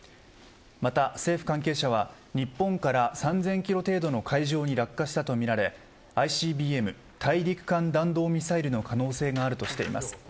また政府関係者は日本から３０００キロ程度の海上に落下したとみられＩＣＢＭ大陸間弾道ミサイルの可能性があるとしています。